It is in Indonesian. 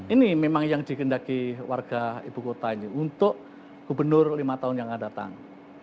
ini memang yang dikendaki warga ibu kota ini untuk gubernur lima tahun yang akan datang